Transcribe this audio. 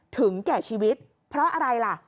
ถึงแก่ชีวิตเพราะอะไรล่ะ